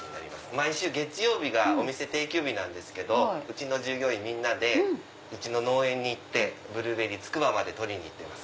毎週月曜日がお店定休日なんですけどうちの従業員みんなでうちの農園に行ってブルーベリーつくばまで取り行ってます。